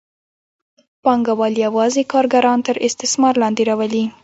پانګوال یوازې کارګران تر استثمار لاندې راولي.